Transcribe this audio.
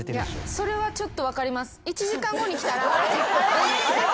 それはちょっと分かります。